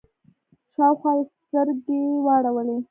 شاوخوا يې سترګې واړولې.